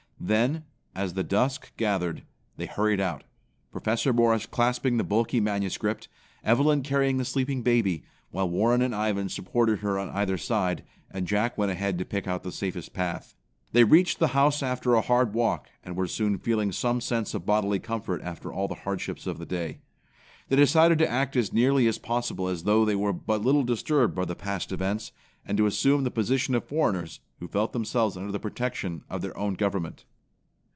Then, as the dusk gathered, they hurried out, Professor Morris clasping the bulky manuscript, Evelyn carrying the sleeping baby, while Warren and Ivan supported her on either side, and Jack went ahead to pick out the safest path. They reached the house after a hard walk, and were soon feeling some sense of bodily comfort after all the hardships of the day. They decided to act as nearly as possible as though they were but little disturbed by the past events, and to assume the position of foreigners who felt themselves under the protection of their own government.